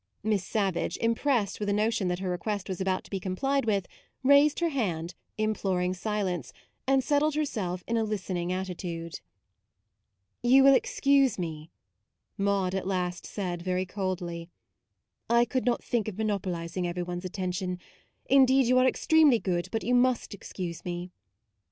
Miss Savage, impressed with a no tion that her request was about to be complied with, raised her hand, im ploring silence, and settled herself in a listening attitude. u You will excuse me," Maude at last said very coldly. " I could not think of monopolising every one's at tention. Indeed you are extremely good, but you must excuse me."